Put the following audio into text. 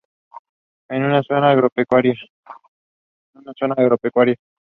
Es una zona agropecuaria.